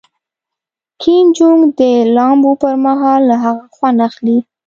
کیم جونګ د لامبو پر مهال له هغه خوند اخلي.